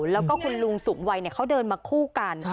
แล้วก็คุณลุงสุ่มวัยเนี่ยเขาเดินมาคู่กัน